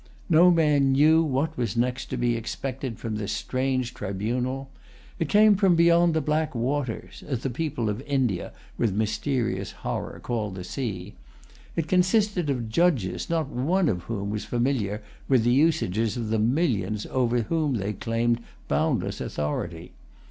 No man knew what was next to be expected from this strange tribunal. It came from beyond the black water, as the people of India, with mysterious horror, call the sea. It consisted of judges not one of whom was familiar with the usages of the millions over whom they claimed boundless authority.